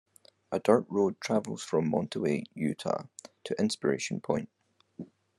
A dirt road travels from Mantua, Utah to Inspiration Point.